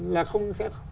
là không sẽ